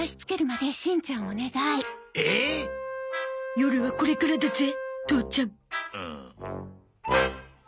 夜はこれからだぜ父ちゃん。